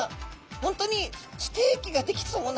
本当にステーキができそうな。